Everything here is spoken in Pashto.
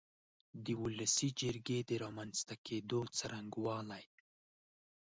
د ولسي جرګې د رامنځ ته کېدو څرنګوالی